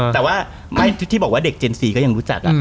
แต่ว่าไม่ที่บอกว่าเด็กเจนซีก็ยังรู้จัก